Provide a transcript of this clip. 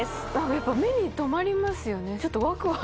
やっぱ目に留まりますよね。